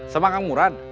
sama kang murad